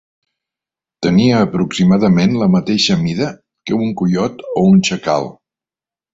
Tenia aproximadament la mateixa mida que un coiot o un xacal.